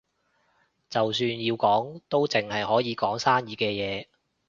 就算要講，都淨係可以講生意嘅嘢